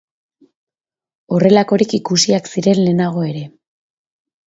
Horrelakorik ikusiak ziren lehenago ere.